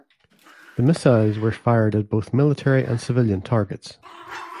The missiles were fired at both military and civilian targets.